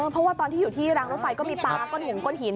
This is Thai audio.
เพราะว่าตอนที่อยู่ที่รางรถไฟก็มีปลาก้นถุงก้นหิน